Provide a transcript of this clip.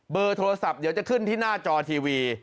โทรศัพท์เดี๋ยวจะขึ้นที่หน้าจอทีวี